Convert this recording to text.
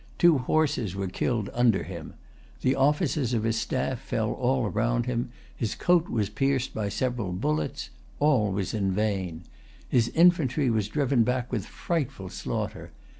Two horses were killed under him. The officers of his staff fell all round him. His coat was pierced by several bullets. All was in vain. His infantry was driven back with frightful slaughter.